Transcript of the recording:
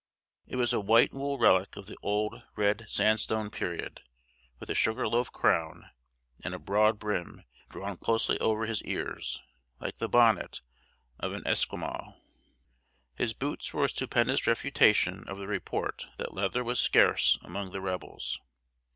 It was a white wool relic of the old red sandstone period, with a sugar loaf crown, and a broad brim drawn down closely over his ears, like the bonnet of an Esquimaux. His boots were a stupendous refutation of the report that leather was scarce among the Rebels.